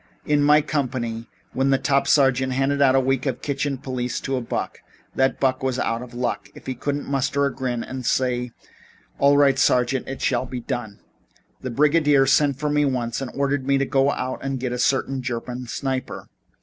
In my company, when the top sergeant handed out a week of kitchen police to a buck, that buck was out of luck if he couldn't muster a grin and say: 'All right, sergeant. It shall be done.' "The brigadier sent for me once and ordered me to go out and get a certain German sniper.